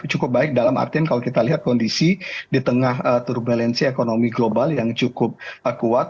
cukup baik dalam artian kalau kita lihat kondisi di tengah turbulensi ekonomi global yang cukup kuat